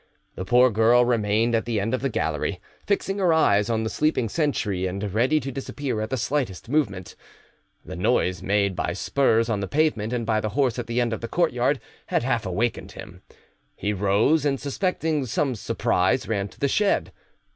The poor girl remained at the end of the gallery, fixing her eyes on the sleeping sentry, and ready to disappear at the slightest movement. The noise made by spurs on the pavement and by the horse at the end of the courtyard had half awakened him. He rose, and suspecting some surprise, ran to the shed.